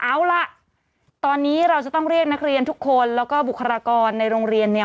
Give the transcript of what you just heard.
เอาล่ะตอนนี้เราจะต้องเรียกนักเรียนทุกคนแล้วก็บุคลากรในโรงเรียนเนี่ย